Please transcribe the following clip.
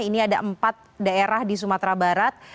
ini ada empat daerah di sumatera barat